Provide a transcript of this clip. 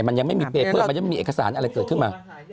มันยังไม่มีเปเปอร์มันยังไม่มีเอกสารอะไรเกิดขึ้นมา